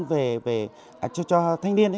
về cho thanh niên